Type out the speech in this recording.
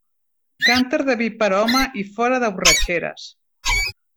Cànter de vi per home i fora de borratxeres.